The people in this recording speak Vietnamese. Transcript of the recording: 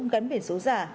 gắn biển số giả